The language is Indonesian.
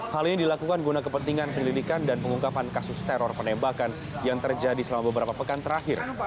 hal ini dilakukan guna kepentingan penyelidikan dan pengungkapan kasus teror penembakan yang terjadi selama beberapa pekan terakhir